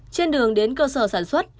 trên đường đến cơ sở sản xuất